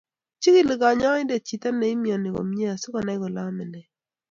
chikili kanyoindet chito ne imyoni komye asikonai kole amei ne